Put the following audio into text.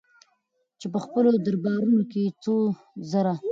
چې په خپلو دربارونو کې يې څو زره